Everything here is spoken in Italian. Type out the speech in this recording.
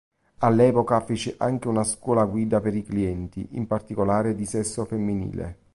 All'epoca fece anche una scuola guida per i clienti, in particolare di sesso femminile.